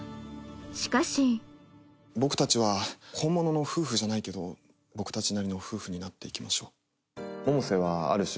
しかし僕達は本物の夫婦じゃないけど僕達なりの夫婦になっていきましょう